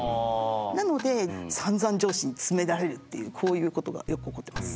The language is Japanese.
なのでさんざん上司に詰められるっていうこういうことがよく起こってます。